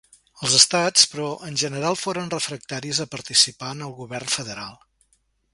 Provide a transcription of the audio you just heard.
Els estats, però, en general foren refractaris a participar en el govern federal.